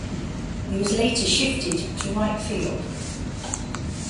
He was later shifted to right field.